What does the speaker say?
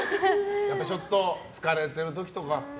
ちょっと疲れてる時とか。